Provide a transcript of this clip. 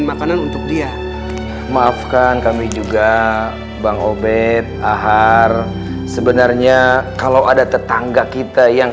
makanan untuk dia maafkan kami juga bang obed ahar sebenarnya kalau ada tetangga kita yang